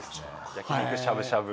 焼き肉しゃぶしゃぶ。